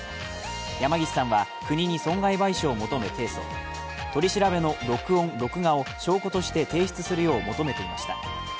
山岸さんは、国に損害賠償を求め提訴、取り調べの録音・録画を証拠として提出するよう求めていました。